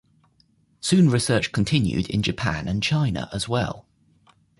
Soon research continued in Japan and China as well.